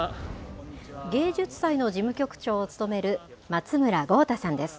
芸術祭の事務局長を務める松村豪太さんです。